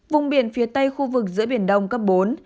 vùng biển phía tây khu vực giữa biển đông cấp bốn